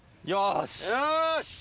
よし！